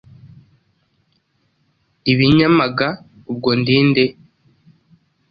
ibinyamaga Ubwo ndi nde?